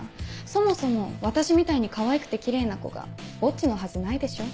そもそも私みたいにかわいくてキレイな子がぼっちのはずないでしょ？